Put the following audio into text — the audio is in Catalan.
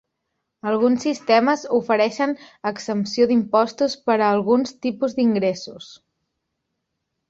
Alguns sistemes ofereixen exempció d'impostos per a alguns tipus d'ingressos.